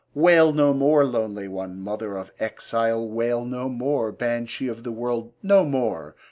Wail no more, lonely one, mother of exile wail no more, Banshee of the world no more!